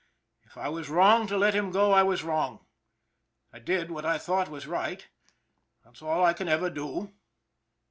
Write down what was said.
If I was wrong to let him go, I was wrong. I did what I thought was right that's all I can ever do."